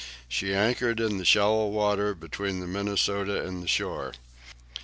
She anchored in the shallow water between the "Minnesota" and the shore.